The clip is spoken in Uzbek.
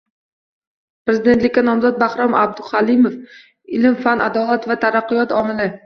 Prezidentlikka nomzod Bahrom Abduhalimov: “Ilm-fan – adolat va taraqqiyot omili”